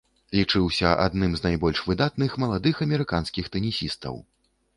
Лічыўся адным з найбольш выдатных маладых амерыканскіх тэнісістаў.